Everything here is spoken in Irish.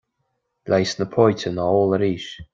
Leigheas na póite ná ól arís.